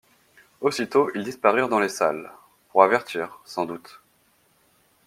Aussitôt ils disparurent dans les salles, pour avertir, sans doute.